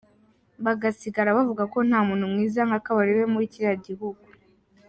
Bagasigara bavuga ko nta muntu mwiza nka Kabarebe muri kiriya gihugu.